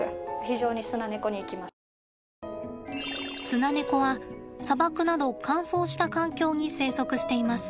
スナネコは砂漠など乾燥した環境に生息しています。